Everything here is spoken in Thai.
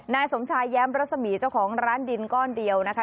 นายสมชายแย้มรัศมีเจ้าของร้านดินก้อนเดียวนะคะ